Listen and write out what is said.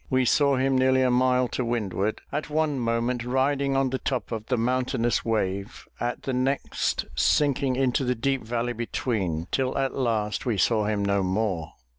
We saw him nearly a mile to windward, at one moment riding on the top of the mountainous wave, at the next, sinking into the deep valley between, till at last we saw him no more!